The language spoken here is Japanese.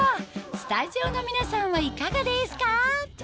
スタジオの皆さんはいかがですか？